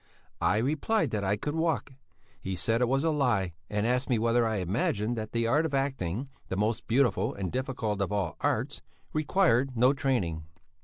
I replied that I could walk. He said it was a lie and asked me whether I imagined that the art of acting, the most beautiful and difficult of all arts, required no training.